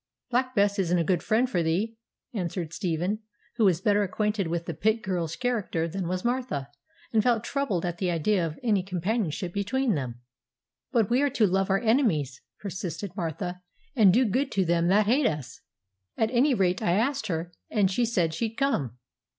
'Black Bess isn't a good friend for thee,' answered Stephen, who was better acquainted with the pit girl's character than was Martha, and felt troubled at the idea of any companionship between them. 'But we are to love our enemies,' persisted Martha, 'and do good to them that hate us. At any rate I asked her, and she said she'd come.'